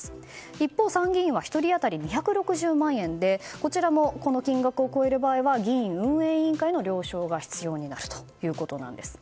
一方、参議院は１人当たり２６０万円でこちらもこの金額を超える場合は議院運営委員会の了承が必要になるということです。